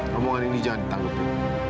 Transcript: hubungan ini jangan ditanggapi